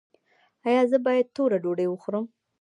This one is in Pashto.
ایا زه باید توره ډوډۍ وخورم؟